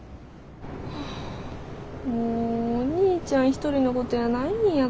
はあもうお兄ちゃん一人のことやないんやから。